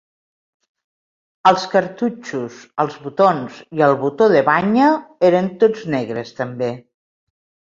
Els cartutxos, els botons i el botó de banya eren tots negres també.